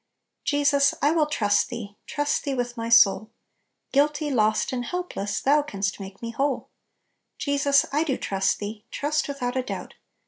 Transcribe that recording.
" Jesus, I will trust Thee, trust Thee with my soul! Guilty, lost, and helpless, Thou canst make me whole 1 Jesus, I do trust Thee, trust without a doubt